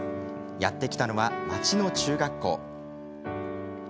やって来たのは、町の中学校。